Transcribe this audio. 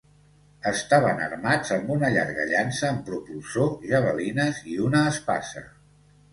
Estaven armats amb una llarga llança amb propulsor, javelines i una espasa.